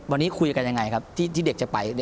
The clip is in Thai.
วันนี้คุยกันยังไงครับที่เด็กจะไป